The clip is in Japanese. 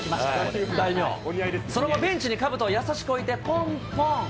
その後、ベンチにかぶとを優しく置いて、ぽんぽん。